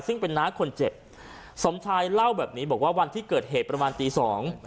ซึ่งเป็นน้าคนเจ็บสมชายเล่าแบบนี้บอกว่าวันที่เกิดเหตุประมาณตีสอง